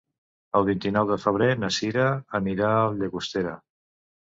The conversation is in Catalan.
El vint-i-nou de febrer na Cira anirà a Llagostera.